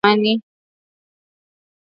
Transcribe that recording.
umuhimu wa kuongeza thamani ya viazi lishe